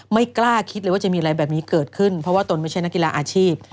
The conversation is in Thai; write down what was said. ไม่กล้าคิดเลยว่าจะมีอะไรแบบนี้เกิดขึ้นเพราะว่าตนไม่ใช่นักกีฬาอาชีพ